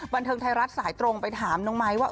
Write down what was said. บันเทิงไทยรัฐสายตรงไปถามน้องไม้ว่า